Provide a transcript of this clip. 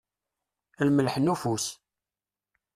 Lmelḥ n ufus.